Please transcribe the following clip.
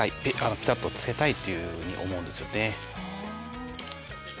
ピタッとつけたいというふうに思うんですよね。